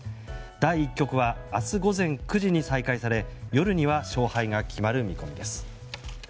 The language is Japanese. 第１局は明日午前９時に再開され夜には勝敗が決まる見込みです。